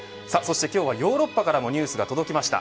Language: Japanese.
今日はヨーロッパからもニュースが届きました。